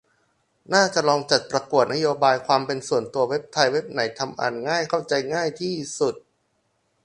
น่าจะลองจัดประกวด "นโยบายความเป็นส่วนตัว" เว็บไทย เว็บไหนทำอ่านง่ายเข้าใจง่ายที่สุด